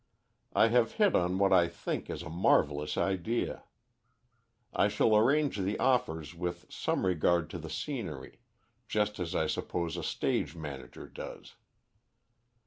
I have hit on what I think is a marvellous idea. I shall arrange the offers with some regard to the scenery, just as I suppose a stage manager does.